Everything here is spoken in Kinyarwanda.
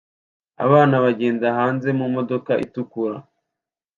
Abana bagenda hanze mumodoka itukura